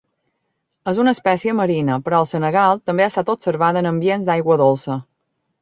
És una espècie marina però al Senegal també ha estat observada en ambients d'aigua dolça.